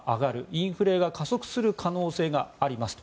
インフレが加速する可能性がありますと。